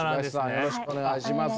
よろしくお願いします。